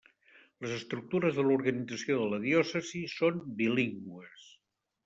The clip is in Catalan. Les estructures de l'organització de la diòcesi són bilingües.